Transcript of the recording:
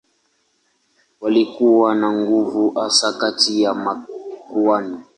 Walikuwa na nguvu hasa kati ya makuhani.